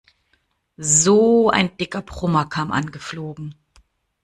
So ein dicker Brummer kam angeflogen.